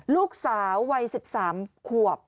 ลูกสาววัย๑๓ขวบ